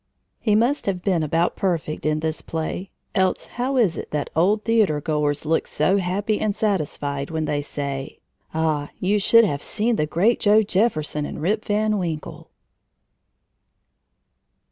He must have been about perfect in this play, else how is it that old theater goers look so happy and satisfied when they say: "Ah, you should have seen the great Joe Jefferson in Rip Van Winkle!"